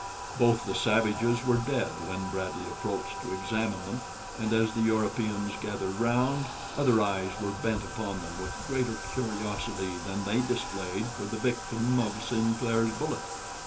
Both the savages were dead when Bradley approached to examine them, and as the Europeans gathered around, other eyes were bent upon them with greater curiosity than they displayed for the victim of Sinclair's bullet.